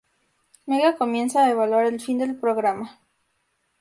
Mega comienza a evaluar el fin del programa.